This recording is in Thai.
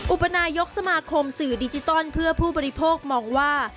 อุปนายกสมาคมสื่อดิจิตอลเพื่อผู้บริโภคมองว่า